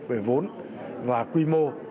về vốn và quy mô